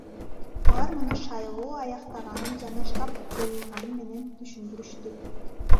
Алар муну шайлоо аяктаганы жана штаб жоюлганы менен түшүндүрүштү.